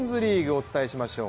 お伝えしましょう。